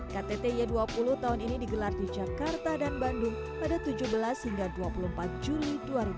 ktt y dua puluh tahun ini digelar di jakarta dan bandung pada tujuh belas hingga dua puluh empat juli dua ribu dua puluh